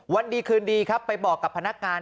วันดีคืนดีครับไปบอกกับพนักงาน